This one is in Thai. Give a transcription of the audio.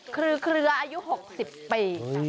เครืออายุ๖๐ปี